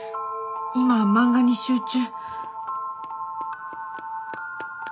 今は漫画に集中。